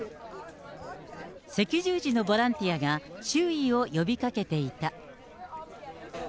赤十字のボランティアが注意を呼びかけていた。